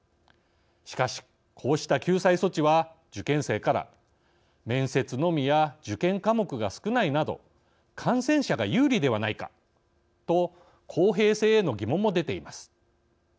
しかし、こうした救済措置は受験生から面接のみや受験科目が少ないなど感染者が有利ではないかと公平性への疑問も出ています。